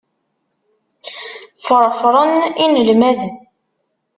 Ffṛefṛen inelmaden.